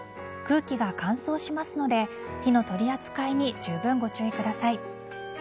空気が乾燥しますので火の取り扱いにじゅうぶんご注意ください。